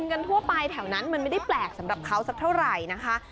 คุณว่าแบบหมาลาชิดซาน